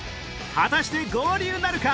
果たして合流なるか？